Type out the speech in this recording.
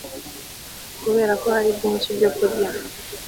kubera ko hari byinshi byo kurya